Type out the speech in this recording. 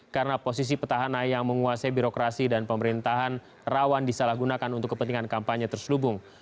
karena posisi petahana yang menguasai birokrasi dan pemerintahan rawan disalahgunakan untuk kepentingan kampanye terselubung